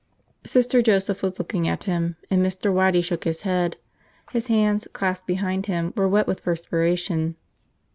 Sister Joseph was looking at him, and Mr. Waddy shook his head. His hands, clasped behind him, were wet with perspiration.